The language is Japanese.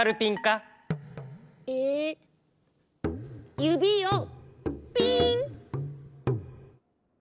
ゆびをピン！